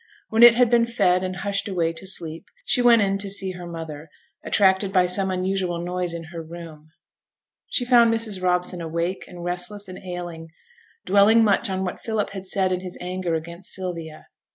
When it had been fed and hushed away to sleep, she went in to see her mother, attracted by some unusual noise in her room. She found Mrs. Robson awake, and restless, and ailing; dwelling much on what Philip had said in his anger against Sylvia.